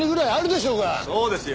そうですよ。